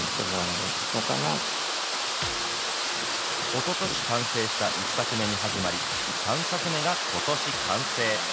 おととし完成した１作目にはじまり、３作目がことし完成。